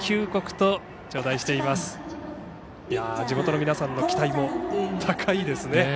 地元の皆さんの期待も高いですね。